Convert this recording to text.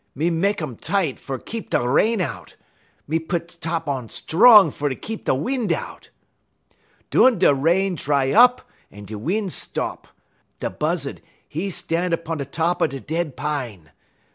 Me mek um tight fer keep da rain out; me pit top on strong fer keep da win' out.' "Dun da rain dry up en da win' stop. Da Buzzud, 'e stan' 'pon top da dead pine.